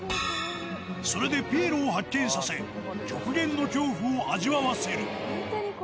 それでピエロを発見させ、極限の恐怖を味わわせる。